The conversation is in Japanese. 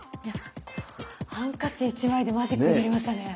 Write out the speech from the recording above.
ハンカチ１枚でマジックになりましたね。